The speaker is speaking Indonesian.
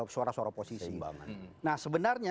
suara suara oposisi nah sebenarnya